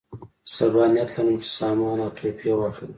صبا نیت لرم چې سامان او تحفې واخلم.